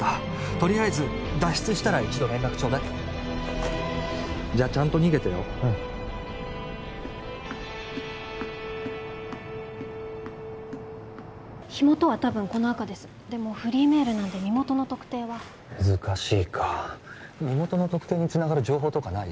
とりあえず脱出したら一度連絡ちょうだいじゃあちゃんと逃げてようん火元は多分このアカですでもフリーメールなんで身元の特定は難しいか身元の特定につながる情報とかない？